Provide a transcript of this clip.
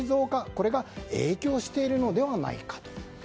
これが影響しているのではないかと。